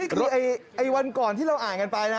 คือวันก่อนที่เราอ่านกันไปนะ